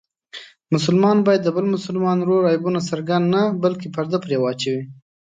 مسلمان باید د بل مسلمان ورور عیبونه څرګند نه بلکې پرده پرې واچوي.